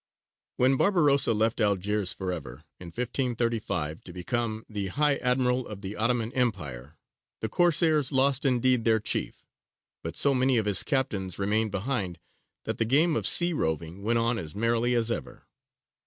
When Barbarossa left Algiers for ever in 1535 to become the High Admiral of the Ottoman Empire, the Corsairs lost indeed their chief; but so many of his captains remained behind that the game of sea roving went on as merrily as ever.